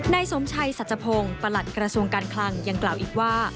นายสมชัยสัจพงศ์ประหลัดกระทรวงการคลังยังกล่าวอีกว่า